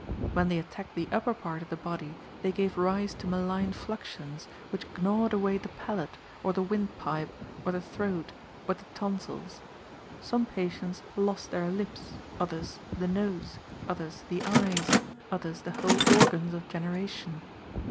When they attacked the upper part of the body they gave rise to malign fluxions, which gnawed away the palate, or the windpipe, or the throat, or the tonsils. Some patients lost their lips, others the nose, others the eyes, others the whole organs of generation.